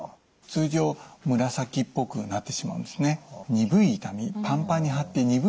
通常紫っぽくなってしまうんですね。